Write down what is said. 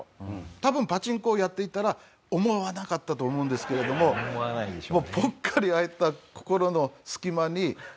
多分パチンコをやっていたら思わなかったと思うんですけれどももうぽっかり空いた心の隙間にスッと入ってきて。